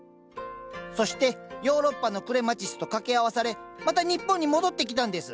そしてヨーロッパのクレマチスと掛け合わされまた日本に戻ってきたんです。